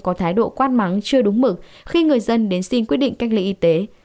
có thái độ quát mắng chưa đúng mực khi người dân đến xin quyết định cách ly y tế